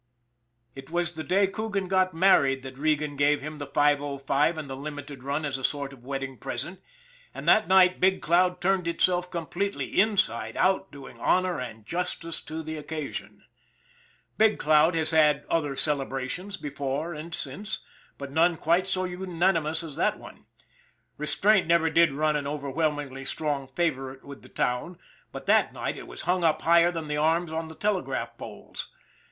It was the day Coogan got married that Regan gave him 505 and the Limited run as a sort of wedding pres ent ; and that night Big Cloud turned itself completely inside out doing honor and justice to the occasion. 158 ON THE IRON AT BIG CLOUD Big Cloud has had other celebrations, before and since, but none quite so unanimous as that one. Re straint never did run an overwhelmingly strong favor ite with the town, but that night it was hung up higher than the arms on the telegraph poles.